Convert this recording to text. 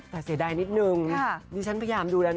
แต่เสียดายนิดนึงดิฉันพยายามดูแล้วนะ